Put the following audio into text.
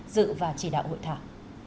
dự và chỉ đạo hội thảo